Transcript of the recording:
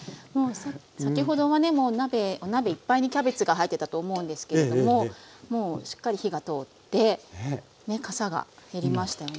先ほどはねお鍋いっぱいにキャベツが入ってたと思うんですけれどももうしっかり火が通ってかさが減りましたよね。